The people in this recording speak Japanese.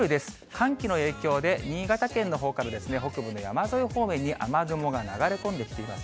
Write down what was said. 寒気の影響で、新潟県のほうから、北部の山沿い方面に雨雲が流れ込んできています。